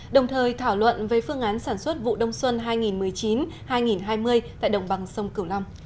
đồng thời thảo luận về phương án sản xuất vụ đông xuân hai nghìn một mươi chín hai nghìn hai mươi tại đồng bằng sông cửu long